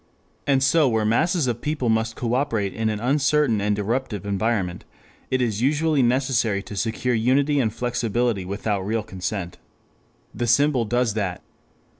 And so where masses of people must coöperate in an uncertain and eruptive environment, it is usually necessary to secure unity and flexibility without real consent. The symbol does that.